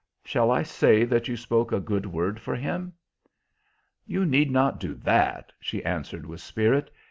Shall I say that you spoke a good word for him?" "You need not do that," she answered with spirit.